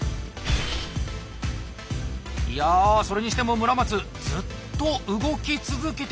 いやそれにしても村松ずっと動き続けてますね。